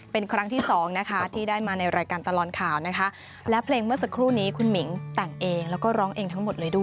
เป็นครั้งที่สองนะคะที่ได้มาในรายการตลอดข่าวนะคะและเพลงเมื่อสักครู่นี้คุณหมิงแต่งเองแล้วก็ร้องเองทั้งหมดเลยด้วย